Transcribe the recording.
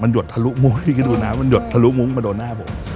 หยดทะลุมุ้งพี่ก็ดูน้ำมันหยดทะลุมุ้งมาโดนหน้าผม